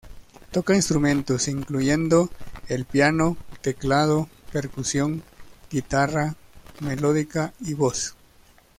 Toca instrumentos incluyendo el piano, teclado, percusión, guitarra, melódica y voz.